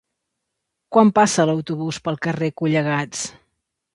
Quan passa l'autobús pel carrer Collegats?